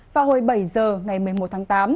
vào hồi bảy giờ ngày một mươi một tháng tám